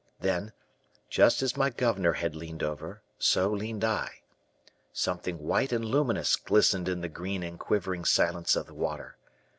Then, just as my governor had leaned over, so leaned I. Something white and luminous glistened in the green and quivering silence of the water.